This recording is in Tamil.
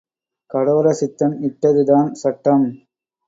கடோர சித்தன் இட்டது தான் சட்டம்.